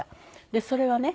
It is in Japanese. でそれはね